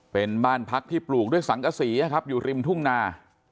เป็นบ้านพักที่ปลูกด้วยสังกษีนะครับอยู่ริมทุ่งนา